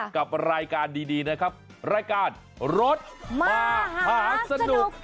กับรายการดีนะครับรายการรถมหาสนุก